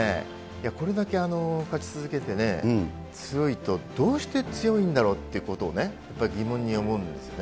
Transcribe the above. これだけ勝ち続けてね、強いと、どうして強いんだろうっていうことをね、やっぱり疑問に思うんですよね。